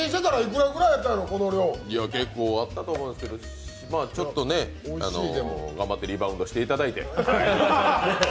結構あったと思うんですけど、頑張ってリバウンドしていただいて。